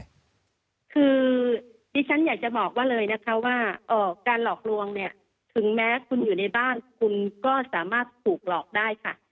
คือดิฉันอยากจะบอกว่าเลยนะคะว่าการหลอกลวงเนี่ยถึงแม้คุณอยู่ในบ้านคุณก็สามารถถูกหลอกได้ค่ะ